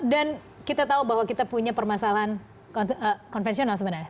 dan kita tahu bahwa kita punya permasalahan konvensional sebenarnya